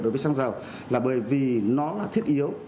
đối với xăng dầu là bởi vì nó là thiết yếu